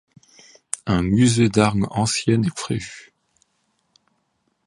Un musée d'armes anciennes est prévu.